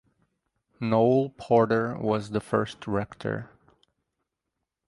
Noel Porter was the first rector.